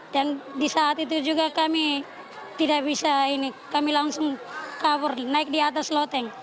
dan di saat itu juga kami tidak bisa ini kami langsung kabur naik di atas loteng